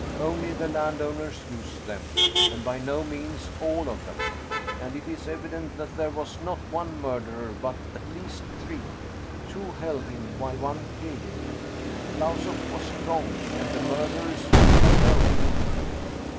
Only the landowners use them, and by no means all of them. And it is evident that there was not one murderer, but at least three. Two held him, while one killed him. Klausoff was strong, and the murderers must have known it!"